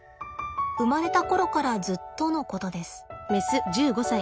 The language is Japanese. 生まれた頃からずっとのことです。